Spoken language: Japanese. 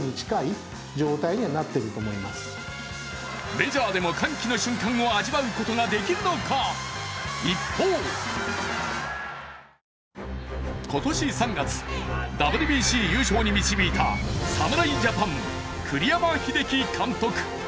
メジャーでも歓喜の瞬間を味わうことができるのか、一方今年３月、ＷＢＣ優勝に導いた侍ジャパン・栗山英樹監督。